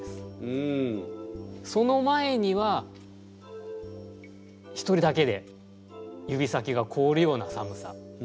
その前には一人だけで指先が凍るような寒さ。